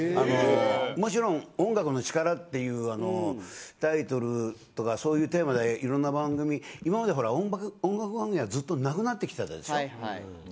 もちろん音楽の力というタイトルとかそういうテーマで今まで音楽番組がずっとなくなってきたでしょ。